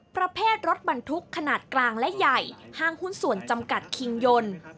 ประเภทรถบรรทุกขนาดกลางและใหญ่ห้างหุ้นส่วนจำกัดคิงยนต์